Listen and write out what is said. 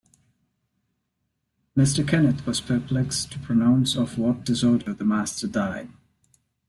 Mr. Kenneth was perplexed to pronounce of what disorder the master died.